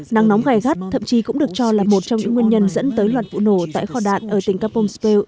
nắng nóng gài gắt thậm chí cũng được cho là một trong những nguyên nhân dẫn tới loạt vụ nổ tại kho đạn ở tỉnh kampong speu